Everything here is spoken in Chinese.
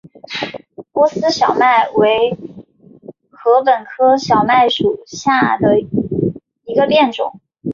波斯小麦为禾本科小麦属下的一个变种。